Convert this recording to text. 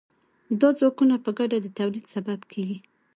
دا ځواکونه په ګډه د تولید سبب کیږي.